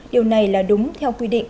điều này là đúng theo quy định